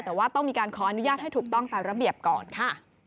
แต่ว่าต้องมีการขออนุญาตให้ถูกต้องตามระเบียบก่อนค่ะ